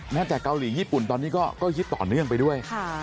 จากเกาหลีญี่ปุ่นตอนนี้ก็ฮิตต่อเนื่องไปด้วย